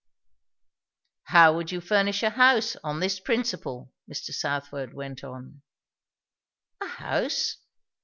"How would you furnish a house, on this principle?" Mr. Southwode went on. "A house?"